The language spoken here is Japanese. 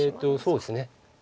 そうですね。